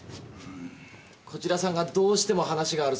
こちらさんがどうしても話があるそうで。